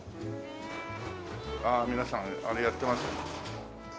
ああ皆さんあれやってますね。